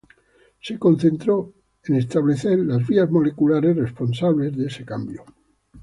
Se concentró en establecer las vías moleculares responsables de ese cambio.